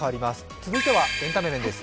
続いてはエンタメ面です。